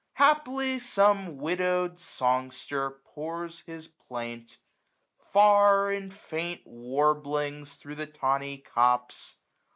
971 Haply some widowed songster pours his plaint. Far, in faint warblings, thro' the tawny copse.